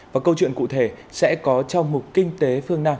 và câu chuyện cụ thể sẽ có trong mục kinh tế phương nam